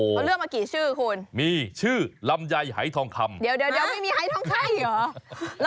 เขาเลือกมากี่ชื่อคุณมีชื่อลำยัยไห้ทองคำเดี๋ยวเดี๋ยวเดี๋ยวไม่มีไห้ทองไข้เหรอ